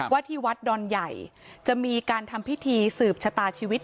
ที่วัดดอนใหญ่จะมีการทำพิธีสืบชะตาชีวิต